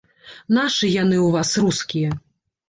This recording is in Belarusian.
Нашы яны ў вас, рускія.